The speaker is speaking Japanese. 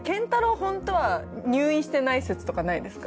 本当は入院してない説とかないですか？